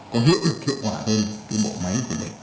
có hiệu quả hơn bộ máy của mình